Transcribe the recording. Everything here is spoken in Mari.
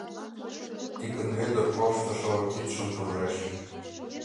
— Тикын Вӧдыр корштышо кидшым туржеш.